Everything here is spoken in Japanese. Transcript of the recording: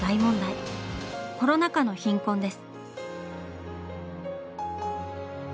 「コロナ禍の貧困」です。